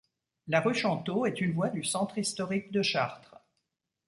La rue Chantault est une voie du centre historique de Chartres.